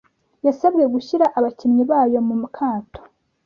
yasabwe gushyira abakinnyi bayo mu kato,